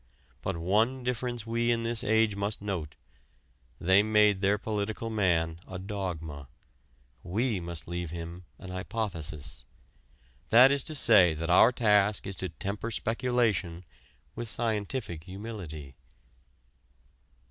But one difference we in this age must note: they made their political man a dogma we must leave him an hypothesis. That is to say that our task is to temper speculation with scientific humility.